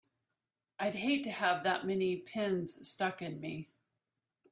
I'd hate to have that many pins stuck in me!